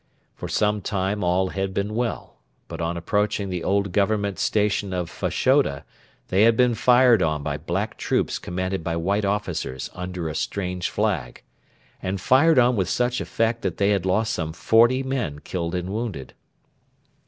For some time all had been well; but on approaching the old Government station of Fashoda they had been fired on by black troops commanded by white officers under a strange flag and fired on with such effect that they had lost some forty men killed and wounded.